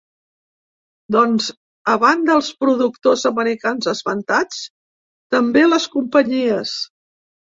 Doncs, a banda els productors americans esmentats, també les companyies.